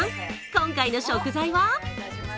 今回の食材は？